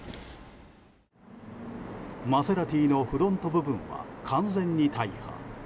マセラティのフロント部分は完全に大破。